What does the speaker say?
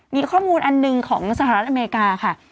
มีข้อมูลอันหนึ่งของสหรัฐอเมริกาค่ะ